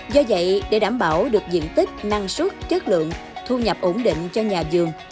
do vậy để đảm bảo được diện tích năng suất chất lượng thu nhập ổn định cho nhà vườn